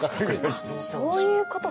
あっそういうことか！